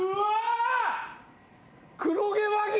黒毛和牛！